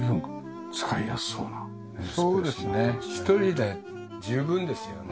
１人で十分ですよね。